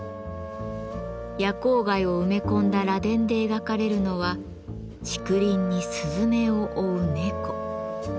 夜光貝を埋め込んだ螺鈿で描かれるのは「竹林に雀を追う猫」。